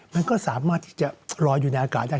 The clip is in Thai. มันก็สามารถที่จะรออยู่ในอากาศได้